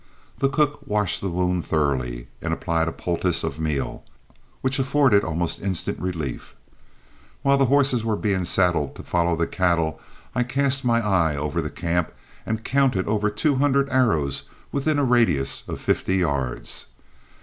The cook washed the wound thoroughly and applied a poultice of meal, which afforded almost instant relief. While horses were being saddled to follow the cattle, I cast my eye over the camp and counted over two hundred arrows within a radius of fifty yards.